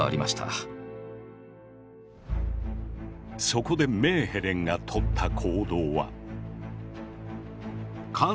そこでメーヘレンが取った行動は。